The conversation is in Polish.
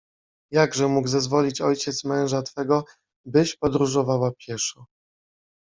Jakże mógł zezwolić ojciec męża twego, byś podróżowała pieszo?